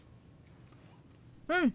うん。